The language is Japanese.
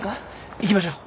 行きましょう。